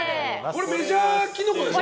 これ、メジャーキノコでしょ？